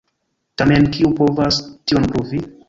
Tamen, kiu povas tion pruvi?